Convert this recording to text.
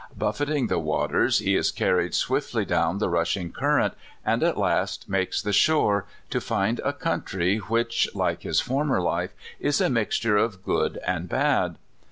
Buffeting the waters, he is carried swiftly down the rushing current, and at last makes the shore, to find a country which, like his former life, is a mixture of good and bad.